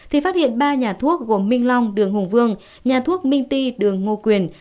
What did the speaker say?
thì phát hiện ba nhà thuốc gồm minh long đường hùng vương nhà thuốc minh ti đường ngô quyền